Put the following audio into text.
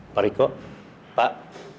mas rikot pak